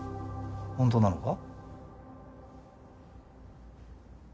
本当なのか？